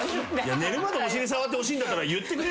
寝るまでお尻触ってほしいんだったら言ってくれりゃ